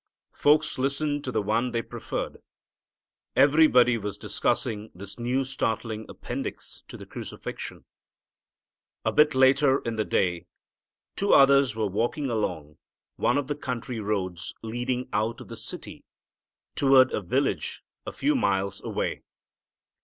Folks listened to the one they preferred. Everybody was discussing this new startling appendix to the crucifixion. A bit later in the day two others were walking along one of the country roads leading out of the city, toward a village a few miles away.